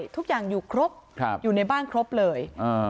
ทุกอย่างอยู่ครบอยู่ในบ้านครบเลย